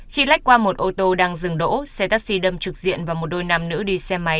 khi lách qua một ô tô đang dừng đỗ xe taxi đâm trực diện vào một đôi nam nữ đi xe máy